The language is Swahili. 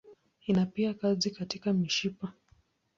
Ina pia kazi katika mishipa.